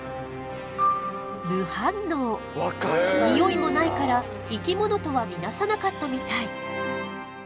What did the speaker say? ニオイもないから生き物とは見なさなかったみたい。